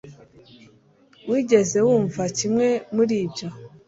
wigeze wumva kimwe muri ibyo